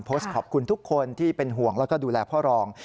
โพสต์ขอบคุณทุกคนที่เป็นห่วงแล้วก็ดูแลพ่อรอง